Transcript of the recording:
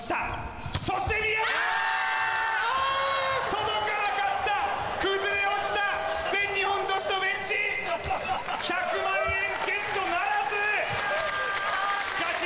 届かなかった崩れ落ちた全日本女子のベンチ１００万円ＧＥＴならずしかし